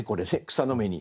草の芽に。